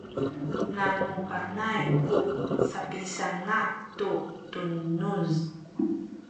nanu panay ku sapisanga’ tu tunuz